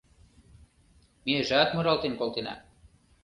Межат муралтен колтена